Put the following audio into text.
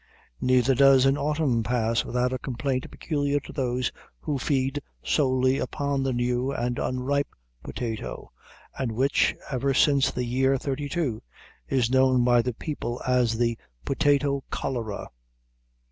Neither does an autumn pass without a complaint peculiar to those who feed solely upon the new and unripe potato, and which, ever since the year '32 is known by the people as the potato cholera.